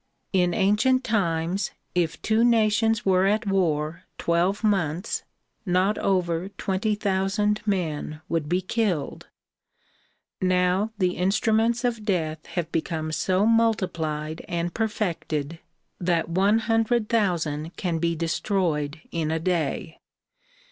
In ancient times if two nations were at war twelve months, not over twenty thousand men would be killed; now the instruments of death have become so multiplied and perfected that one hundred thousand can be destroyed in a day.